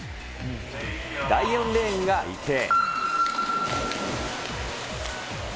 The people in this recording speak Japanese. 第４レーンが池江。